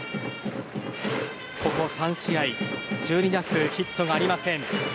ここ３試合１２打数ヒットがありません。